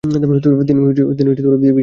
তিনি বিশেষ সফল হন না।